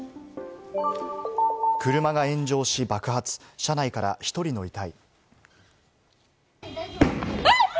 車が炎上し爆発、車内から１人の遺体。